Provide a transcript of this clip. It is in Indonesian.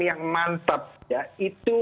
yang mantap ya itu